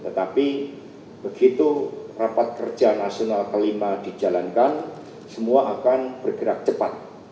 tetapi begitu rapat kerja nasional ke lima dijalankan semua akan bergerak cepat